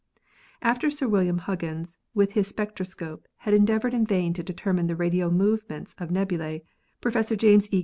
After Sir William Huggins with his spectroscope had endeavored in vain to determine the radial movement of nebulae, Professor James E.